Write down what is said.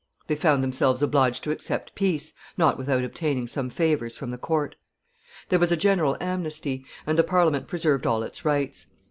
They found themselves obliged to accept peace, not without obtaining some favors from the court. There was a general amnesty; and the Parliament preserved all its rights.